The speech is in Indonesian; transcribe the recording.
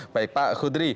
baik pak khudri